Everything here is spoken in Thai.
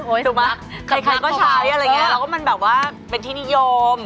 โอ้ยสุดมะขับข้างพอใช้อะไรอย่างเงี้ยแล้วก็มันแบบว่าเป็นที่นิยม